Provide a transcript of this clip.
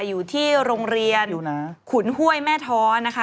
อยู่ที่โรงเรียนขุนห้วยแม่ท้อนะคะ